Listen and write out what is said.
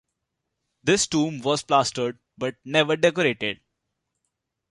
This tomb was plastered, but never decorated.